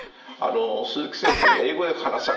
鈴木先生が英語で話された。